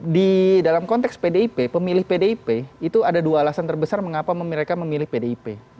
di dalam konteks pdip pemilih pdip itu ada dua alasan terbesar mengapa mereka memilih pdip